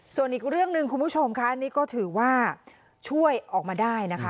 ส่วนอีกเรื่องหนึ่งคุณผู้ชมค่ะนี่ก็ถือว่าช่วยออกมาได้นะคะ